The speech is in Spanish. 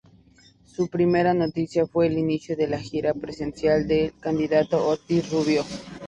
Su primera noticia fue el inicio de la gira presidencial del candidato Ortiz Rubio.